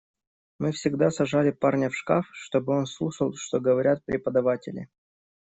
Мы всегда сажали парня в шкаф, чтобы он слушал, что говорят преподаватели.